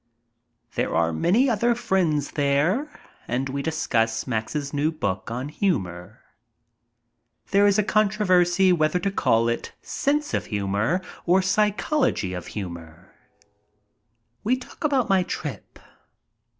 There are many other friends there, and we discuss Max's new book on humor. There is a controversy whether to call it "Sense of Humor" or "Psychology of Humor." We i50 MY TRIP ABROAD talk about my trip.